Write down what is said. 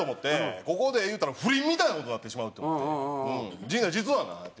ここで言うたら不倫みたいな事になってしまうって思って「陣内実はな」って。